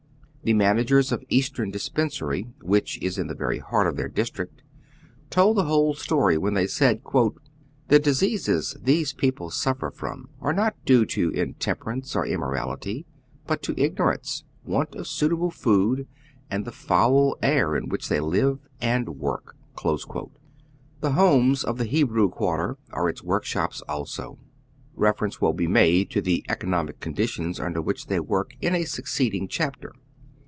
The managers of the Eastern Dispensary, which is in the very heart of their district, told the wliole story when they said ;" The diseases these people suffer from are not due to intemperance or immo rality, but to ignorance, want of suitable food, and the foul air in which they live and work." * The homes of the Hebrew quarter are its workshops also. liefereuce will be made to the economic conditions under which they work in a succeeding chapter.